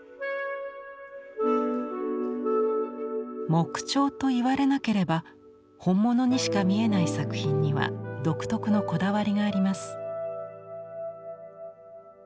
木彫と言われなければ本物にしか見えない作品には独特のこだわりがあります。